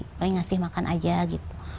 paling ngasih makan aja gitu